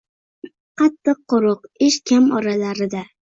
— Qattiq-quruq ish kam oralarida.